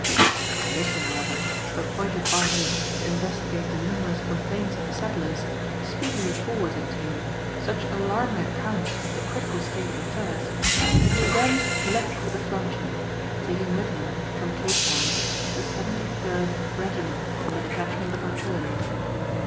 A commission, however, appointed by him to investigate the numerous complaints of the settlers, speedily forwarded to him such alarming accounts of the critical state of affairs, that he again left for the frontier, taking with him from Cape Town the 73rd Regiment and a detachment of artillery.